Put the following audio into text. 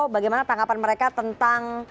bagaimana tanggapan mereka tentang